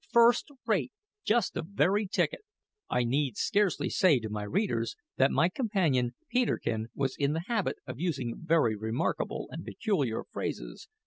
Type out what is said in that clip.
"First rate; just the very ticket!" I need scarcely say to my readers that my companion Peterkin was in the habit of using very remarkable and peculiar phrases.